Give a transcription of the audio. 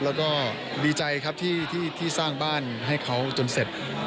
แล้วก็ดีใจครับที่สร้างบ้านให้เขาจนเสร็จ